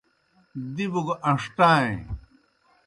دِبوْ گہ ان٘ݜٹائیں۔